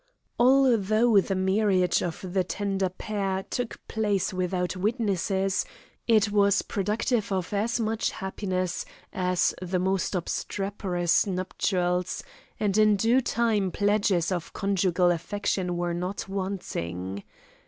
Although the marriage of the tender pair took place without witnesses, it was productive of as much happiness as the most obstreperous nuptials, and in due time pledges of conjugal affection were not wanting.